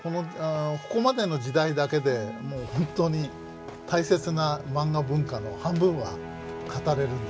ここまでの時代だけでもう本当に大切なマンガ文化の半分は語れるんです。